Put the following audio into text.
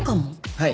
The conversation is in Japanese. はい。